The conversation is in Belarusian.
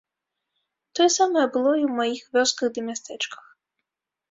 Тое самае было і ў маіх вёсках ды мястэчках.